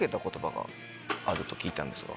あると聞いたんですが。